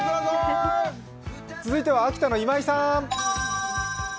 続いては秋田の今井さん。